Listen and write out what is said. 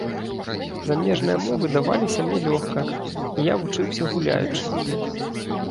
Замежныя мовы даваліся мне лёгка, і я вучыўся гуляючы.